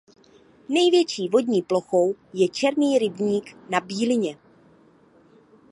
Největší vodní plochou je Černý rybník na Bílině.